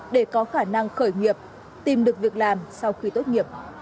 để có khả năng khởi nghiệp tìm được việc làm sau khi tốt nghiệp